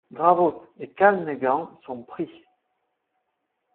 Dravot et Carneghan sont pris.